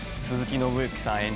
鈴木伸之さん